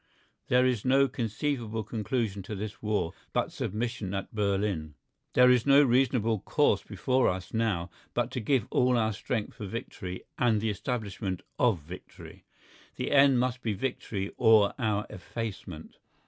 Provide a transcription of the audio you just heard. There is no conceivable conclusion to this war but submission at Berlin. There is no reasonable course before us now but to give all our strength for victory and the establishment of victory. The end must be victory or our effacement.